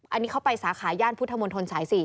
อันนี้เข้าไปสาขาย่านพุทธมนต์ทนศัยสี่